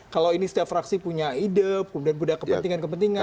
kalau ini setiap fraksi punya ide kemudian punya kepentingan kepentingan